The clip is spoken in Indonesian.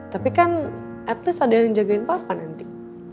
tapi kan at least ada yang jagain papa nanti